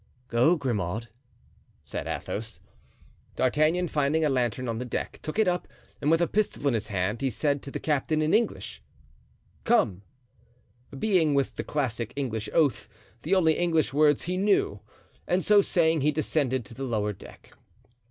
"Go, Grimaud," said Athos. D'Artagnan, finding a lantern on the deck, took it up and with a pistol in his hand he said to the captain, in English, "Come," (being, with the classic English oath, the only English words he knew), and so saying he descended to the lower deck.